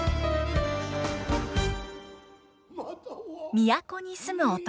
都に住む男。